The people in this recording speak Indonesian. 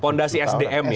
fondasi sdm ya